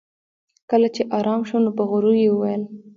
کله چې ارام شو نو په غرور یې وویل